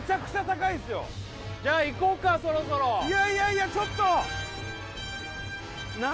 じゃあいこうかそろそろいやいやいやちょっと！